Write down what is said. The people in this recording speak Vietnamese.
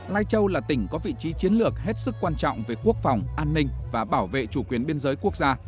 lai châu là tỉnh có vị trí chiến lược hết sức quan trọng về quốc phòng an ninh và bảo vệ chủ quyền biên giới quốc gia